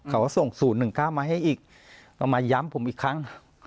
เขาก็ส่งศูนย์หนึ่งเก้ามาให้อีกแล้วมาย้ำผมอีกครั้ง